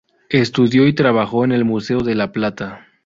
Estudió y trabajó en el Museo de La Plata.